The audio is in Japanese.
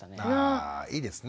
あいいですね。